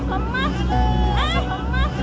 langsung datang ke lokasi